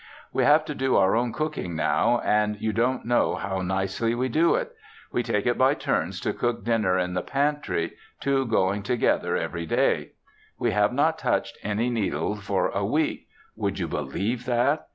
We have to do our own cooking now, and you don't know how nicely we do it. We take it by turns to cook dinner in the pantry, two going together every day. I have not touched my needle for a week; would you believe that?